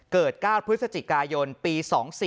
เกิด๙พฤศจิกายนปี๒๔